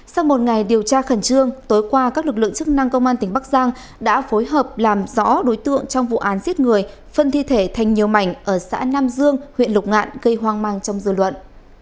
sau một ngày điều tra khẩn trương tối qua các lực lượng chức năng công an tỉnh bắc giang đã phối hợp làm rõ đối tượng trong vụ án giết người phân thi thể thành nhiều mảnh ở xã nam dương huyện lục ngạn gây hoang mang trong dư luận